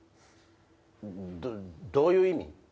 どどういう意味？